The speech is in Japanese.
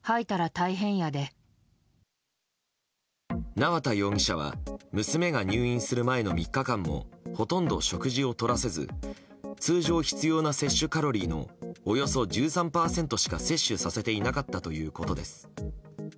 縄田容疑者は娘が入院する前の３日間もほとんど食事をとらせず通常必要な摂取カロリーのおよそ１３％しか摂取させていなかったということです。